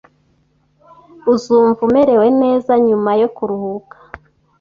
Uzumva umerewe neza nyuma yo kuruhuka